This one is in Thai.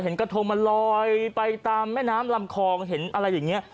กระทงมันลอยไปตามแม่น้ำลำคลองเห็นอะไรอย่างนี้